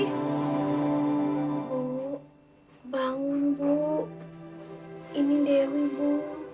ibu bangun bu ini dewi bu